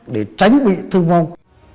để tránh bị thương vong